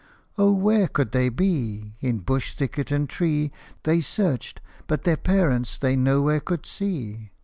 Oh, where could they be ? In bush, thicket, and tree They searched, but their parents they nowhere could see.